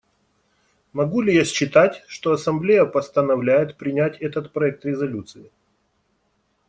Могу ли я считать, что Ассамблея постановляет принять этот проект резолюции?